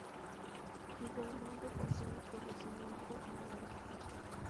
Igualmente posee el corregimiento La Garita.